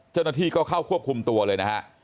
เจ้าหน้าที่ก็เข้าควบคุมตัวเลยนะฮะ